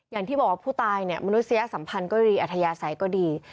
อย่างที่บอกว่าผู้ตายเนี่ยมนุษยสัมพันธ์ก็ดีอัธยาศัยก็ดี